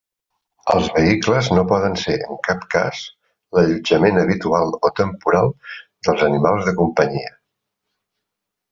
Els vehicles no poden ser en cap cas l'allotjament habitual o temporal dels animals de companyia.